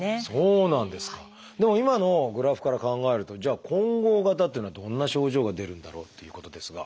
でも今のグラフから考えるとじゃあ混合型っていうのはどんな症状が出るんだろうっていうことですが。